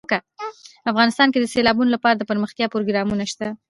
افغانستان کې د سیلابونو لپاره دپرمختیا پروګرامونه شته دي.